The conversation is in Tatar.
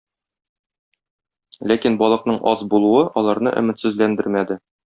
Ләкин балыкның аз булуы аларны өметсезләндермәде.